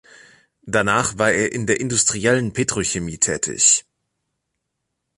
Danach war er in der industriellen Petrochemie tätig.